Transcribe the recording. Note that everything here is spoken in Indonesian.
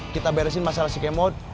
kita beresin masalah si kemot